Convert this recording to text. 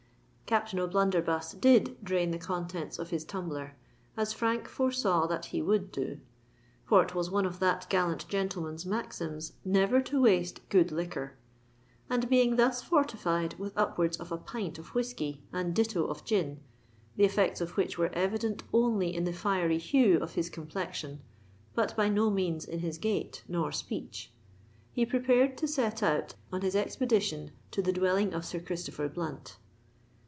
Captain O'Blunderbuss did drain the contents of his tumbler, as Frank foresaw that he would do; for it was one of that gallant gentleman's maxims never to waste good liquor;—and, being thus fortified with upwards of a pint of whiskey and ditto of gin—the effects of which were evident only in the fiery hue of his complexion, but by no means in his gait nor speech—he prepared to set out on his expedition to the dwelling of Sir Christopher Blunt.